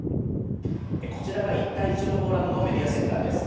こちらが一帯一路フォーラムのメディアセンターです。